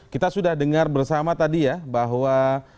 kita sudah dengar bersama tadi ya bahwa